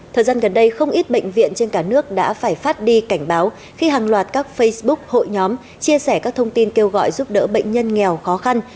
thời gian gần đây không ít bệnh viện trên cả nước đã phải phát đi cảnh báo khi hàng loạt các facebook hội nhóm chia sẻ các thông tin kêu gọi giúp đỡ bệnh nhân nghèo khó khăn